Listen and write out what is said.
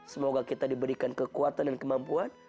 semoga kita diberikan kekuatan dan kemampuan